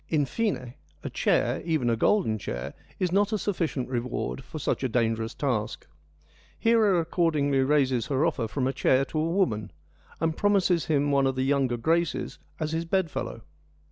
In fine, a chair, even a golden chair, is not a sufficient reward for such a dangerous task. Hera accordingly raises her offer from a chair to a woman, and promises him one of the younger Graces as his bed fellow.